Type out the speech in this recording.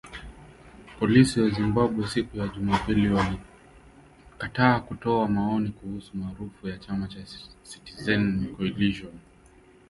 Polisi wa Zimbabwe, siku ya Jumapili walikataa kutoa maoni kuhusu marufuku kwa chama cha Citizens’ Coalition for Change huko Marondera